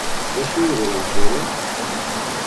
Dacu i iḍeṛṛun tura?